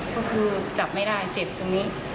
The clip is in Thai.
ก็คือจับไม่ได้เจ็บตรงนี้